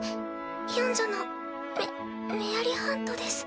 四女のメメアリ・ハントです。